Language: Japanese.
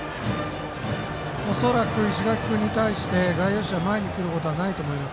恐らく石垣君に対して外野手は前に来ることはないと思います。